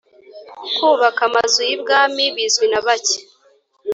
kubaka Amazu yibwami bizwi nabake